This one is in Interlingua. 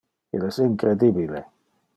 Il es incredibile.